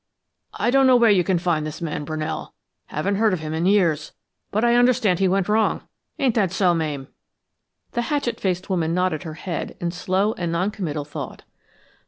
I don't know where you can find this man Brunell, haven't heard of him in years, but I understand he went wrong. Ain't that so, Mame?" The hatchet faced woman nodded her head in slow and non committal thought.